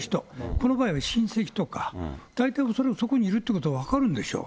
この場合は親戚とか、大体そこにいるということは分かるでしょう。